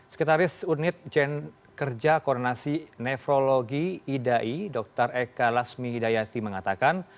sekretaris unit jen kerja koordinasi nefrologi idai dr eka lasmi hidayati mengatakan